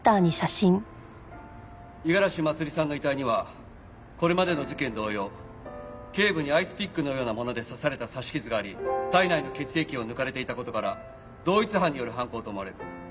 五十嵐まつりさんの遺体にはこれまでの事件同様頸部にアイスピックのようなもので刺された刺し傷があり体内の血液を抜かれていた事から同一犯による犯行と思われる。